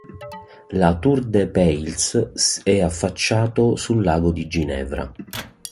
La Tour-de-Peilz è affacciato sul lago di Ginevra.